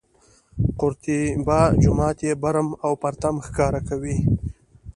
قورطیبه جومات یې برم او پرتم ښکاره کوي.